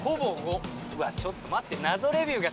わっちょっと待って。